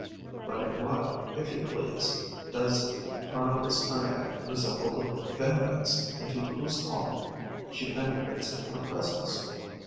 But in what, if you please, does Parnopes carnea resemble the Bembex into whose home she penetrates in her presence?